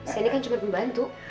saya ini kan cuma pembantu